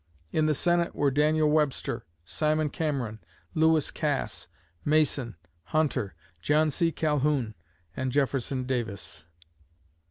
In the Senate were Daniel Webster, Simon Cameron, Lewis Cass, Mason, Hunter, John C. Calhoun, and Jefferson Davis.